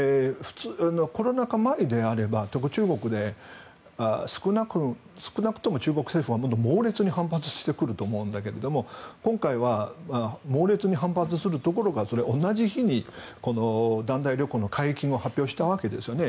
コロナ禍前であれば少なくとも中国政府は猛烈に反発してくると思うんだけど今回は猛烈に反発するどころか同じ日に団体旅行の解禁を発表したわけですよね。